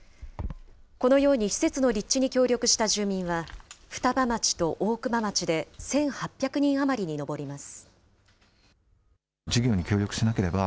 このように施設の立地に協力した住民は双葉町と大熊町で１８００人余りに上ります。